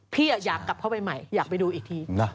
พี่อยากกลับเข้าไปใหม่อยากไปดูอีกที